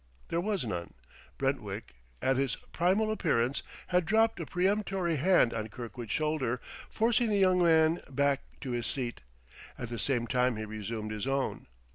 There was none. Brentwick, at his primal appearance, had dropped a peremptory hand on Kirkwood's shoulder, forcing the young man back to his seat; at the same time he resumed his own.